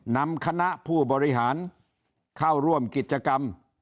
นำคณะผู้บริหารเข้าร่วมกิจกรรม